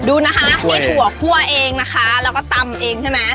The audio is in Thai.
ดูนะคะนี่ถั่วคั่วเองนะคะแล้วก็ตำเองใช่ไหม